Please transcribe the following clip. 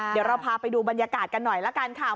เดี๋ยวเราพาไปดูบรรยากาศกันหน่อยละกันค่ะ